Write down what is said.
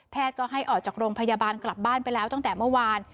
ก็ให้ออกจากโรงพยาบาลกลับบ้านไปแล้วตั้งแต่เมื่อวาน